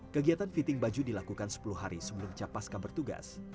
kegiatan fitting baju dilakukan sepuluh hari sebelum capaska bertugas